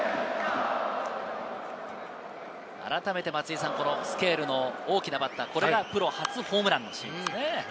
あらためて、このスケールの大きなバッター、これがプロ初ホームラン。